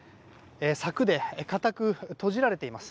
柵で固く閉じられています。